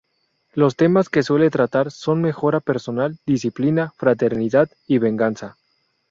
Los temas que suele tratar son mejora personal, disciplina, fraternidad y venganza.